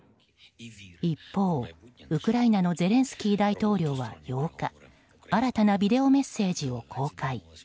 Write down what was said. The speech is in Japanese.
一方、ウクライナのゼレンスキー大統領は８日新たなビデオメッセージを公開。